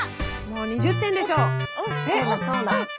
もう２０点でしょ。